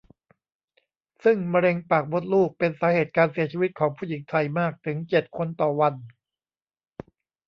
ซึ่งมะเร็งปากมดลูกเป็นสาเหตุการเสียชีวิตของผู้หญิงไทยมากถึง เจ็ด คนต่อวัน